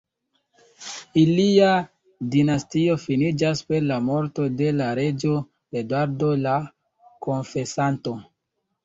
Ilia dinastio finiĝas per la morto de la reĝo Eduardo la Konfesanto.